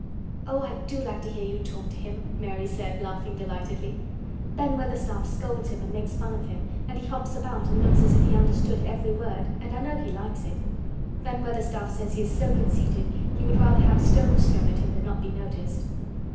"Oh, I do like to hear you talk to him!" Mary said, laughing delightedly. "Ben Weatherstaff scolds him and makes fun of him, and he hops about and looks as if he understood every word, and I know he likes it. Ben Weatherstaff says he is so conceited he would rather have stones thrown at him than not be noticed."